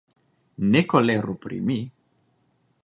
Ne koleru pri mi.